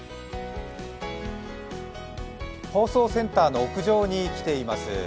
放送センターの屋上に来ています。